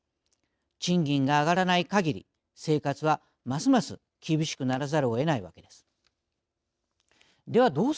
賃金が上がらないかぎり生活は、ますます厳しくならざるをえないわけです。